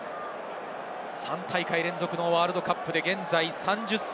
３大会連続のワールドカップで現在３０歳。